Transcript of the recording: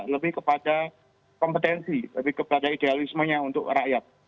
lebih kepada kompetensi lebih kepada idealismenya untuk rakyat